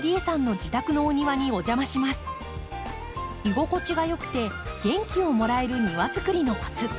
居心地が良くて元気をもらえる庭づくりのコツ！